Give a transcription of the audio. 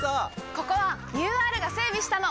ここはＵＲが整備したの！